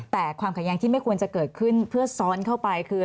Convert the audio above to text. แต่ความขัดแย้งที่ไม่ควรจะเกิดขึ้นเพื่อซ้อนเข้าไปคือ